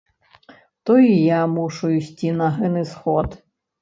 То і я мушу ісці на гэны сход?